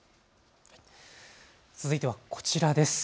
続いてはこちらです。